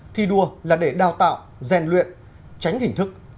thi đua là để đào tạo rèn luyện tránh hình thức